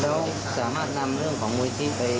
แล้วสามารถนำเรื่องของมูลิธิไป